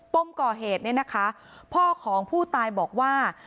ปมก่อเหตุเนี่ยนะคะพ่อของผู้ตายบอกว่า